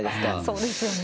そうですよね。